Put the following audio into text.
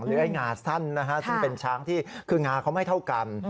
ไอ้งาสั้นนะฮะซึ่งเป็นช้างที่คืองาเขาไม่เท่ากัน